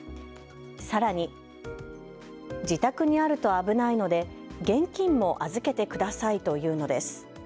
さらに、自宅にあると危ないので現金も預けてくださいと言うのです。